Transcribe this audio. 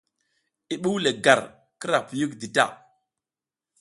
I ɓuw le gar kira piyik di ta.